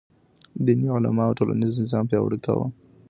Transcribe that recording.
دیني علماو ټولنیز نظم پیاوړی کاوه.